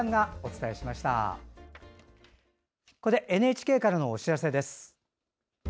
ここでＮＨＫからのお知らせです。